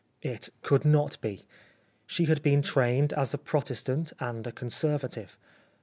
It could not be. She had been trained as a Protestant and a Conservative.